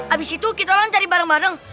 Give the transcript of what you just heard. abis itu kita kan cari bareng bareng